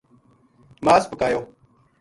مااس پکایو